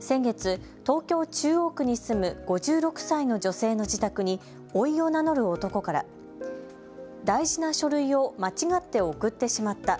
先月、東京・中央区に住む５６歳の女性の自宅においを名乗る男から大事な書類を間違って送ってしまった。